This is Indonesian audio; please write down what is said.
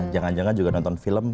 jangan jangan juga nonton film